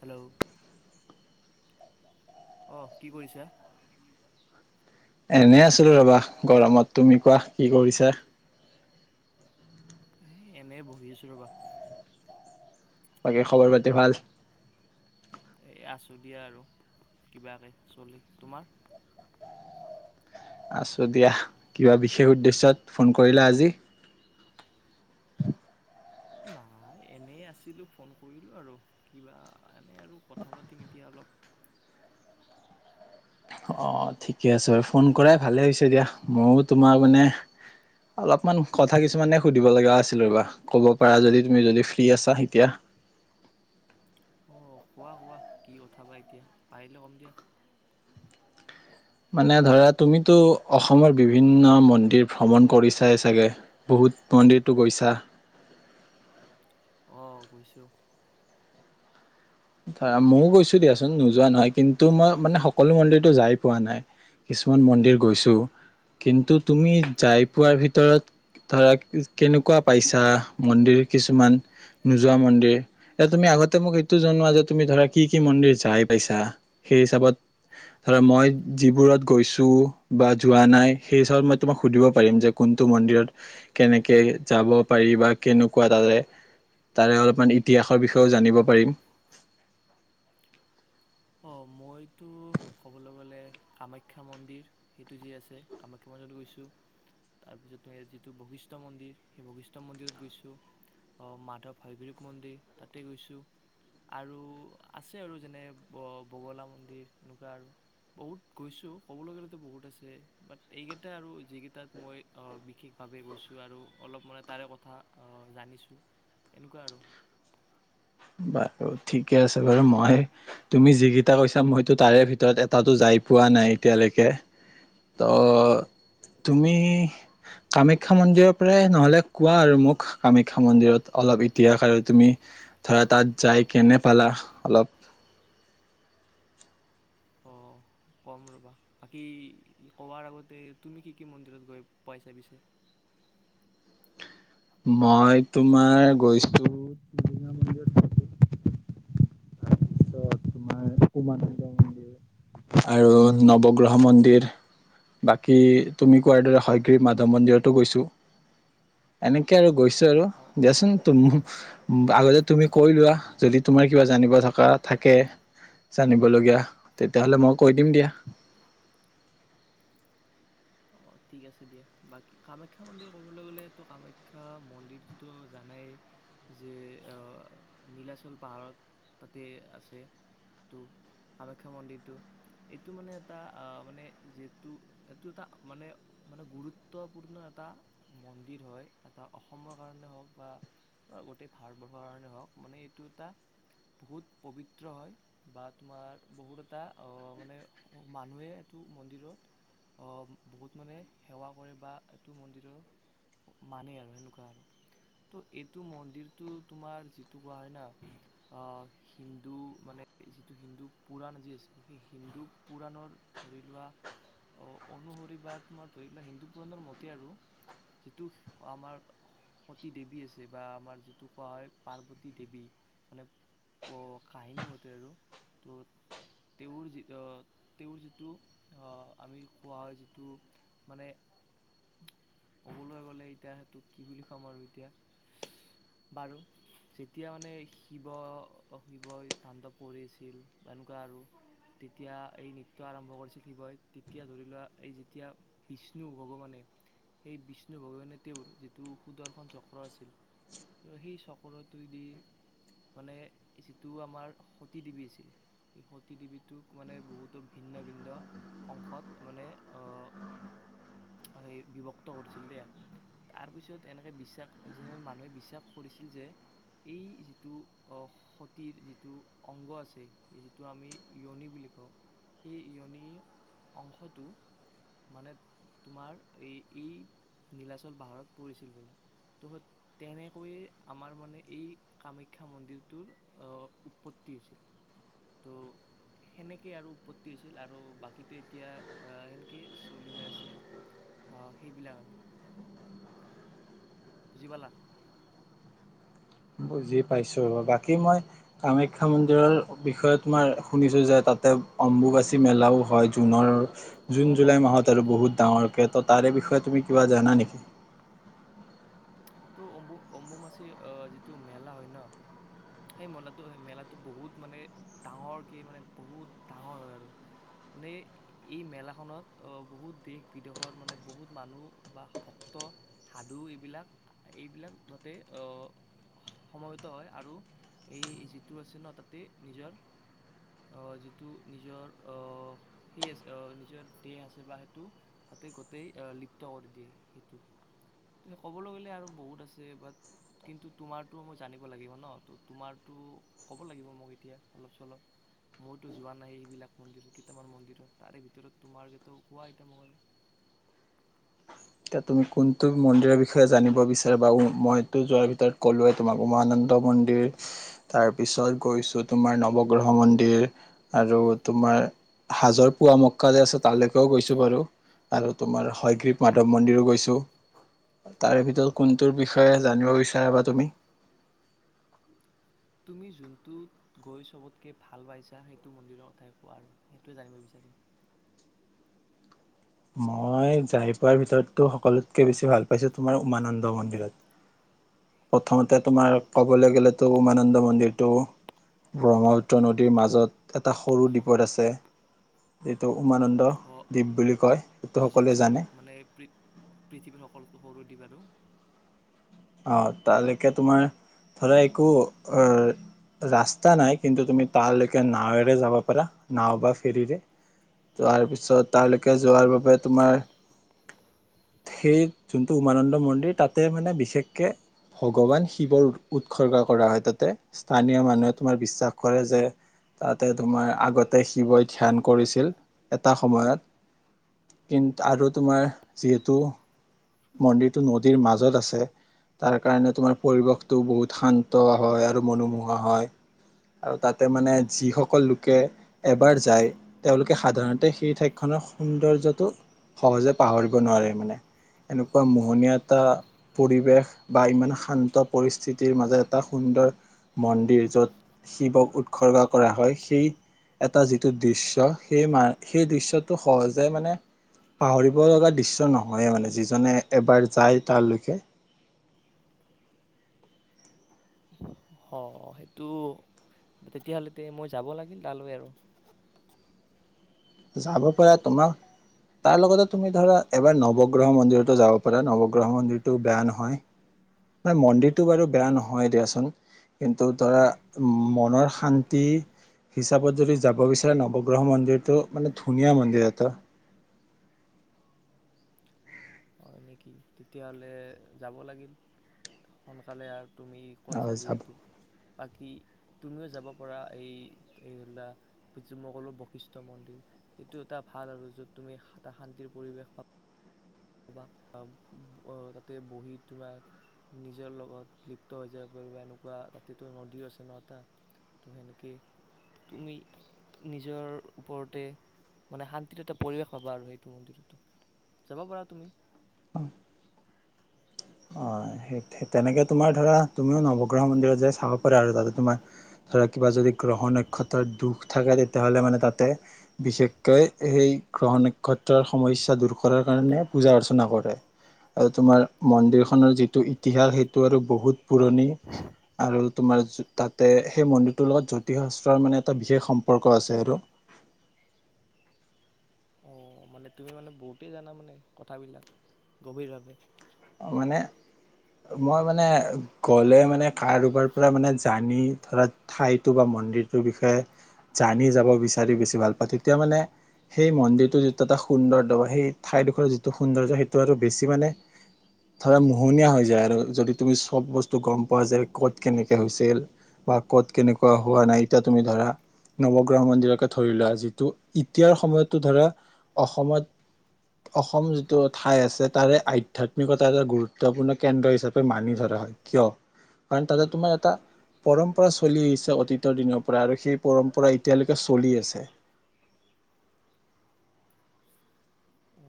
Hello আহ কি কৰিছা এনে আছিলো ৰবা গৰমত তুমি কোৱা কি কৰিছা এ এনেই বহি আছো ৰবা বাকী খবৰ পাতি ভাল এই আছোঁ দিয়া আৰু কিবাকে চলি তোমাৰ আছো দিয়া কিবা বিশেষ উদ্দেশ্যত ফোন কৰিলা আজি নাই এনে আছিলো ফোন কৰিলো আৰু কিবা এনে আৰু কথা পাতিম এতিয়া অলপ অ ঠিকে আছে বাৰু ফোন কৰাই ভালে হৈছে দিয়া ময়ো তোমাক মানে অলপমান কথা কিছুমানে সুধিব লগা আছিল ৰবা ক'ব পাৰা যদি তুমি যদি ফ্ৰী আছা এতিয়া আহ কোৱা কোৱা কি কথা বা এতিয়া পাৰিলে কম দিয়া মানে ধৰা তুমিতো অসমৰ বিভিন্ন মন্দিৰ ভ্ৰমণ কৰিছাই চাগে বহুত মন্দিৰটো গৈছা আহ বুজিছো ময়ও গৈছো দিয়াচোন নোযোৱা নহয় কিন্তু মই মানে সকলো মন্দিৰতে যাই পোৱা নাই কিছুমান মন্দিৰ গৈছো কিন্তু তুমি যাই অঁ পোৱাৰ ভিতৰত ধৰক কেনেকুৱা পাইছা মন্দিৰ কিছুমান নোযোৱা মন্দিৰ এতি তুমি আগতে মোক এইটো তুমি ধৰা কি কি মন্দিৰ যাই পাইছা সেই হিচাপত ধৰা মই যিবোৰত গৈছো বা যোৱা নাই সেই হিচাপত মই তোমাক সুধিব পাৰিম যে কোনটো মন্দিৰত কেনেকে যাব পাৰি বা কেনেকুৱা তাৰে তাৰে অলপমান ইতিহাসৰ বিষয়েও জানিব পাৰিম। অ', মইতো ক'বলৈ গ'লে কামাখ্যা মন্দিৰ সেইটো যি আছে কামাখ্যা মন্দিৰত গৈছোঁ, তাৰপিছত য়াত যিটো বৈশিষ্ঠ মন্দিৰ সেই বৈশিষ্ঠ মন্দিৰত গৈছোঁ, অ', মাধৱ হয়গ্ৰীৱ মন্দিৰ তাতে গৈছোঁ আৰু আছে আৰু যেনে ব, বগলা মন্দিৰ এনেকুৱা আৰু বহুত গৈছোঁ ক'বলৈ গ'লেতো বহুত আছে বাত এইকেইটা আৰু যিকেইটাত মই আ, বিশেষভাৱে গৈছোঁ আৰু অলপ মানে তাৰে কথা আ, জানিছোঁ এনেকুৱা আৰু। বাৰু ঠিকে আছে বাৰু মই তুমি যিকেইটা কৈছা মইতো তাৰে ভিতৰত এটাতো যায় পোৱা নাই এতিয়ালৈকে, ত' তুমি কামাখ্যা মন্দিৰৰ পৰাই নহ'লে কোৱা আৰু মোক কামাখ্যা মন্দিৰত অলপ ইতিহাস আৰু তুমি ধৰা তাত যায় কেনে পালা? অলপ অঁ, কম ৰ'বা বাকী কোৱাৰ আগতে তুমি কি, কি মন্দিৰত গৈ পাইছা পিছে? মই তোমাৰ গৈছো টিলিঙা মন্দিৰত গৈছোঁ। তোমাৰ উমানন্দ মন্দিৰ আৰু নৱগ্ৰহ মন্দিৰ বাকী তুমি কোৱাৰ দৰে হয়গ্ৰীব মাধৱ মন্দিৰতো গৈছোঁ, এনেকে আৰু গৈচ আৰু অঁ দিয়াচোন তুম আগতে তুমি কৈ লোৱা যদি তোমাৰ কিবা জানিব থাকা, থাকে জানিবলগীয়া তেতিয়াহ'লে মই কৈ দিম দিয়া। অ', ঠিক আছে দিয়া বাকী কামাখ্যা মন্দিৰ ক'বলৈ গ'লেতো কামাখ্যা মন্দিৰটোতো জানাই যে, অ', নীলাচল পাহাৰত তাতে আছে এইটো কামাখ্যা মন্দিৰটো, এইটো মানে এটা আ, মানে যিহেতু, এইটো এটা মানে মানে গুৰুত্বপূৰ্ণ এটা মন্দিৰ হয়, এটা অসমৰ কাৰণে হওঁক বা গোটেই ভাৰতবৰ্ষৰ কাৰণে হওঁক মানে এইটো এটা বহুত পবিত্ৰ হয়, বা তোমাৰ বহুত এটা অ', মানে মানুহে এইটো মন্দিৰত অ', বহুত মানে সেৱা কৰে বা এইটো মন্দিৰৰ মানে আৰু সেনেকুৱা আৰু ত' এইটো মন্দিৰটো তোমাৰ যিটো কোৱা হয়, না আ, হিন্দু মানে যিটো হিন্দু পুৰাণ আজি আছে সেই হিন্দু পুৰাণৰ ধৰি লোৱা অনুসৰি বা তোমাৰ ধৰি লোৱা হিন্দু পুৰাণৰ মতে আৰু যিটো আমাৰ সতি দেৱী আছে বা আমাৰ যিটো কোৱা হয়, পাৰ্বতী দেৱী মানে অ', কাহিনী মতে আৰু ত' তেওঁৰ যি আ, তেওঁৰ যিটো আ, আমি কোৱা হয়, যিটো মানে ক'বলৈ গ'লে এতিয়া সেইটো কি বুলি কম আৰু এতিয়া বাৰু যেতিয়া মানে শিৱ, শিৱই তাণ্ডৱ কৰি আছিল বা এনেকুৱা আৰু তেতিয়া এই নৃত্য আৰম্ভ কৰিছিল শিৱই তেতিয়া ধৰি লোৱা এই যেতিয়া বিষ্ণু ভগৱানে, সেই বিষ্ণু ভগৱানে তেওঁৰ যিটো সুদৰ্শন চক্ৰ আছিল সেই চক্ৰটোৱে দি মানে যিটো আমাৰ সতী দেৱী আছিল সেই সতী দেৱীটোক মানে বহুতো ভিন্ন, ভিন্ন অংশত মানে আহ বিভক্ত কৰিছিল দেই তাৰপিছত এনেকে বিশ্বাস যেনে মানুহে বিশ্বাস কৰিছিল যে, এই যিটো আহ, সতিৰ যিটো অংগ আছে যিটো আমি ইয়নী বুলি কওঁ সেই ইয়নীৰ অংশটো মানে তোমাৰ এই, এই নীলাচল পাহাৰত পৰিছিল বোলে ত' স তেনেকৈয়ে আমাৰ মানে এই কামাখ্যা মন্দিৰটোৰ আ, উৎপত্তি হৈছিল ত' সেনেকে আৰু উৎপত্তি হৈছিল আৰু বাকীটো এতিয়া‌ আ, সেনেকেই চলি যে, আছে আ, সেইবিলাক আৰু। বুজি পালা? বুজি পাইছোঁ বাকী মই কামাখ্যা মন্দিৰৰ বিষয়তো মই শুনিছোঁ যে, তাতে অম্বুবাচী মেলাও হয়, জুনৰ জুন, অ', অ', জুলাই অ', মাহত আৰু এইটো। বহুত ডাঙৰকে ত' তাৰে বিষয়ে তুমি কিবা জানা নেকি? ত' অম্বু অম্বুমাচিৰ অহ, যিটো মেলা হয় ন' সেই মেলাটো সেই মেলাটো বহুত মানে ডাঙৰকে মানে বহুত ডাঙৰ হয় আৰু মানে এই মেলাখনত অহ, বহুত দেশ বিদেশৰ মানে বহুত মানুহ বা ভক্ত সাধু এইবিলাক এইবিলাক তাতে অহ, সমবেত হয় আৰু এই যিটো আছে ন' তাতে নিজৰ অহ, যিটো নিজৰ আহ সেই অ', নিজৰ দেহ আছে বা সেইটো তাতে গোতেই লিপ্ত কৰি দিয়ে সেইটোত ত' সেই ক'বলৈ গ'লে আৰু বহুত আছে বাট কিন্তু তোমাৰতো মই জানিব লাগিব ন' ত' তোমাৰটো ক'ব লাগিব মোক এতিয়া অলপ চলপ মইতো যোৱা নাই এইবিলাক মন্দিৰত কেইটামান মন্দিৰত তাৰে ভিতৰত তোমাৰেটো কোৱা এতিয়া মোক আৰু। এতিয়া তুমি কোনটো মন্দিৰৰ বিষয়ে জানিব বিচাৰা বা মইতো যোৱাৰ ভিতৰত ক'লোৱে তোমাক উমানমানন্দ মন্দিৰ তাৰপিছত গৈছো তোমাৰ নৱগ্ৰহ মন্দিৰ আৰু তোমাৰ হাজোৰ পুৱা মক্কা যে আছে তালৈকেও গৈছো বাৰু আৰু তোমাৰ হয়গ্ৰীপ মা ৱ মন্দিৰো গৈছো, তাৰে ভিতৰত কোনটোৰ বিষয়ে জানিব বিচাৰাবা তুমি? তুমি যোনটো গৈ সবতকে ভাল পাইছা সেইটো মন্দিৰৰ কথাই কোৱা আৰু সেইটোৱে জানিব বিচাৰিম। মই যায় পোৱাৰ ভিতো সকলোতকে বেছি ভাল পাইছো তোমাৰ উমানন্দ মন্দিৰত অ' প্ৰথমতে তোমাৰ ক'বলৈ গ'লে ত' উমানন্দ মন্দিৰটো ব্ৰহ্মপুত্ৰ নদীৰ মাজত এটা সৰু দ্বীপত আছে যিটো উমানন্দ অ দ্বীপ বুলি কয়। অ', সকলোৱে যিটো জানে মানে পৃ পৃথিৱীৰ সকল সৰু দি বাৰু অ', তালৈকে তোমাৰ ধৰা একো অ', ৰাস্তা নাই কিন্তু তুমি তালৈকে নাৱেৰে যাব পাৰা নাওঁ বা ফেৰীৰে তাৰপিছত তালৈকে যোৱাৰ বাবে তোমাৰ সেই যোনটো উমানন্দ মন্দিৰ তাতে মানে বিশেষ কে ভগৱান শিৱৰ উৎসৰ্গা কৰা হয়, তাতে স্থানীয় মানুহে তোমাৰ বিশ্বাস কৰে যে তাতে তোমাৰ আগতে শিৱই ধ্যান কৰিছিল এটা সময়ত কিন্তু আৰু তোমাৰ যিহেতু মন্দিৰটো নদীৰ মাজত আছে তাৰ কাৰণে তোমাৰ পৰিৱেশটো বহুত শান্ত হয় আৰু মনোমোহা হয় আৰু তাতে মানে যিসকল লোকে এবাৰ যায় তেওঁলোকে সাধাৰণতে সেই ঠাইতখনৰ সৌন্দৰ্যটো সহজে পাহৰিব নোৱাৰে মানে। এনেকুৱা মোহনীয়া এটা পৰিৱেশ বা ইমান শান্ত পৰিস্থিতিৰ মাজে এটা সুন্দৰ মন্দিৰ য'ত শিৱক উৎসৰ্গা কৰা হয় সেই এটা যিটো দৃশ্য সেই মা সেই দৃশ্যটো সহজে মানে পাহৰিব লগা দৃশ্য নহয় মানে। যিজনে এবাৰ যায় তালৈকে অ', সেইটো তেতিয়াহ'লে মই যাব লাগিল তালৈ আৰু। যাব পাৰা তোমাৰ তাৰ লগতে তুমি ধৰা এবাৰ নৱগ্ৰহ মন্দিৰতো যাব পাৰা, নৱগ্ৰহ মন্দিৰটো বেয়া নহয় ম মন্দিৰটো বাৰু বেয়া নহয় দিয়াচোন কিন্তু ধৰা মনৰ শান্তি হিচাপত যদি যাব বিচাৰা নৱগ্ৰহ মন্দিৰটো মানে ধুনীয়া মন্দিৰ এটা। হয় নেকি তেতিয়াহ'লে যাব লাগিল সোনকালে আৰু তুমি কৈছা যাব যিহেতু বাকী তুমিও যাব পাৰা এই এই ধৰিা মগলৰ বৈশিষ্টয় মন্দিৰ এইটো এটা ভাল আৰু যত তুমি এটা শান্তিৰ পৰিৱেশ পাব তাতে বহি তোমাৰ নিজৰ লগত লিপ্ত হৈ যাব পাৰিব এনেকুৱা তাতেতো নদীও আছে ন এটা ত' সেনেকে তুমি নিজৰ ওপৰতে মানে শান্তিত এটা পৰিৱেশ হবা আৰু সেইটো মন্দিৰতো যাব পাৰা তুমি অ অ সেই তেনেকে তোমাৰ ধৰা তুমিও নৱগ্ৰহ মন্দিৰত যাই চাব পাৰা আৰু তাতে তোমাৰ ধৰা কিবা যদি গ্ৰহ নক্ষত্ৰৰ দুখ থাকে তেতিয়াহলে মানে তাতে বিশেষকৈ সেই গ্ৰহ নক্ষত্ৰৰ সমস্যা দূৰ কৰাৰ কাৰণে পূজা অৰ্চনা কৰে আৰু তোমাৰ মন্দিৰখনৰ যিটো ইতিহাস সেইটো আৰু বহুত পুৰণি আৰু তোমাৰ তাতে সেই মন্দিৰটোৰ লগত জ্যোতিষাস্ত্ৰৰ মানে এটা বিশেষ সম্পৰ্ক আছে আৰু অ মানে তুমি মানে বহুতেই জানা মানে কথাবিলাক গভীৰভাৱে মানে মই মানে গ'লে মানে কাৰোবাৰ পৰা মানে জানি ধৰা ঠাইতটো বা মন্দিৰটোৰ বিষয়ে জানি যাব বিচাৰি বেছি ভাল পাওঁ তেতিয়া মানে সেই মন্দিৰটো যিটো এটা সৌন্দৰ্য বা সেই ঠাইডোখৰ যিটো সৌন্দৰ্য সেইটো আৰু বেছি মানে ধৰা মোহনীয়া হৈ যায় আৰু যদি তুমি চব বস্তু গম পোৱা যোয় ক'ত কেনেকে হৈছিল বা ক'ত কেনেকুৱা হোৱা নাই এতিয়া তুমি ধৰা নৱগ্ৰহ মন্দিৰকে ধৰি লোৱা যিটো এতিয়াৰ সময়তো ধৰা অসমত অসম যিটো ঠাই আছে তাৰে আধ্যয়াতিক িকতা এটা গুৰুত্বপূৰ্ণ কেন্দ্ৰ হিচাপে মানি ধৰা হয় কিয় কাৰণ তাতে তোমাৰ এটা পৰম্পৰা চলি আহিছে অতীতৰ দিনৰ পৰা আৰু সেই পৰম্পৰা এতিয়ালৈকে চলি আছে অ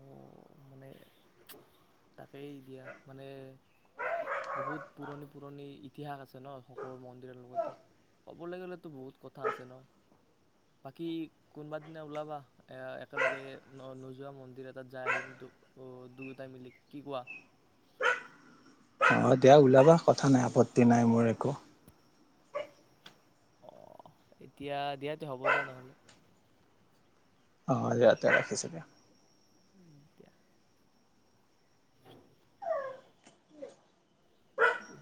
মানে তাকেই দিয়া মানে বহুত পুৰণি পুৰণি ইতিহাস আছে ন সকলো মন্দিৰৰ লগতে ক'বলৈ গ'লেতো বহুত কথা আছে ন বাকী কোনোবা দিনা ওলাবা একেলগে ন নোযোৱা মন্দিৰ এটাত যাই আহিম দুয়োটাই মিলি কি কোৱা অঁ দিয়া ওলাবা কথা নাই আপত্তি নাই মোৰ একো অ এতিয়া দিয়াতো হ'ব দিয়া নহলে অঁ দিয়াতিয়া ৰাখিছোঁ দিয়া উম কিয় বই